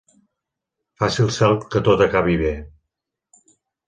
Faci el Cel que tot acabi bé.